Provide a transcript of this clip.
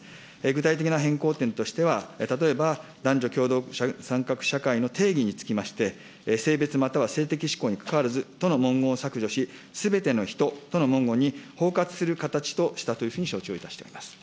具体的な変更点としては、例えば男女共同参画社会の定義につきまして、性別または性的しこうにかかわらずとの文言を削除し、すべての人との文言に包括する形としたというふうに承知をしておりま